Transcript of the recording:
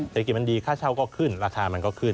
เศรษฐกิจมันดีค่าเช่าก็ขึ้นราคามันก็ขึ้น